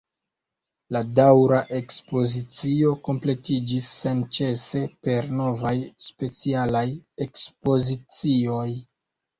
La daŭra ekspozicio kompletiĝis senĉese per novaj specialaj ekspozicioj.